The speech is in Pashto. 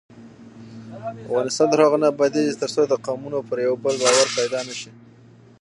افغانستان تر هغو نه ابادیږي، ترڅو د قومونو پر یو بل باور پیدا نشي.